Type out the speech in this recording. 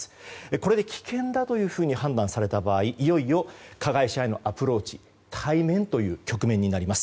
これで危険だというふうに判断された場合いよいよ加害者へのアプローチ対面という局面になります。